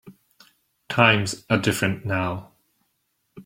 Times are different now.